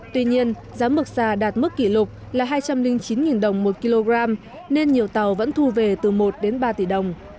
tuy nhiên giá mực xà đạt mức kỷ lục là hai trăm linh chín đồng một kg nên nhiều tàu vẫn thu về từ một ba tỷ đồng